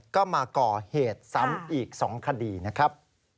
ก็มาก่อเหตุซ้ำอีก๒คดีนะครับ